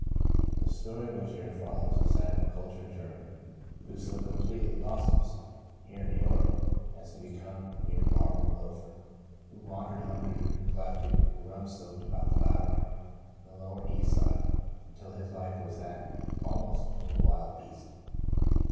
THE story which here follows is that of a cultured German who so com pletely lost himself, here in New York, as to become a mere barroom loafer, who wandered hungry, neglected, and rum soaked about the Bowery and the lower East Side, until his life was that, almost, of a wild beast.